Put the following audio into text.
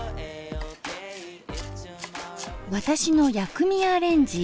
私の薬味アレンジ。